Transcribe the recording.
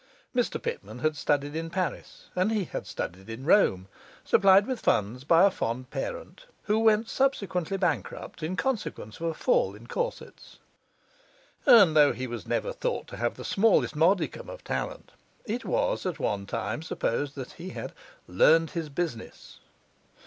Mr Pitman had studied in Paris, and he had studied in Rome, supplied with funds by a fond parent who went subsequently bankrupt in consequence of a fall in corsets; and though he was never thought to have the smallest modicum of talent, it was at one time supposed that he had learned his business.